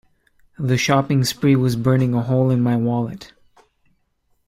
The shopping spree was burning a hole in my wallet.